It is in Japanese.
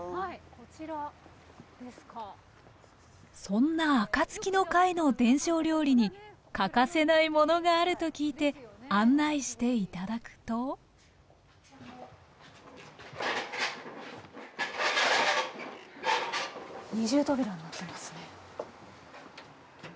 そんなあかつきの会の伝承料理に欠かせないものがあると聞いて案内して頂くと二重扉になってますね。